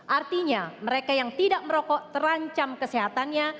artinya mereka yang tidak merokok terancam kesehatannya